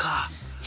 え